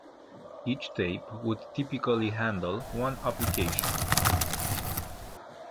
Each tape would typically handle one application.